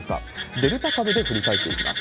デルタ株で振り返っていきます。